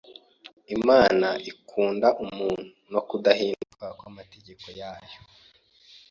Imana ikunda umuntu no kudahinduka kw’amategeko yayo.